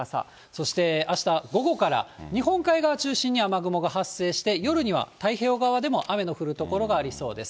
そしてあした午後から、日本海側中心に雨雲が発生して、夜には太平洋側でも雨の降る所がありそうです。